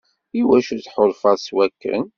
Iwacu tḥulfaḍ s wakken?